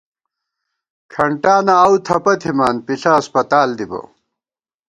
کھنٹانہ آؤو تھپہ تھِمان ، پِݪہ اسپَتال دِبہ